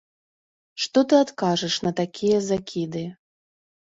Што ты адкажаш на такія закіды?